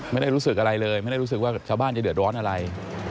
ไม่ได้รู้สึกอะไรเลยไม่ได้รู้สึกว่าชาวบ้านจะเดือดร้อนอะไร